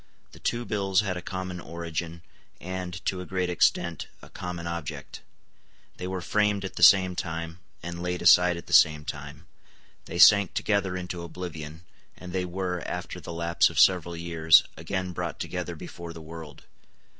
The two bills had a common origin, and, to a great extent, a common object. They were framed at the same time, and laid aside at the same time: they sank together into oblivion; and they were, after the lapse of several years, again brought together before the world.